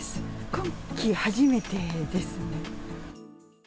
今季初めてですね。